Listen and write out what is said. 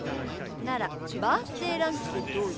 ならバースデーランチでどうよ？